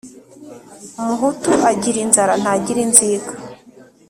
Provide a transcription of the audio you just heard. Umuhutu agira inzara ntagira inzika.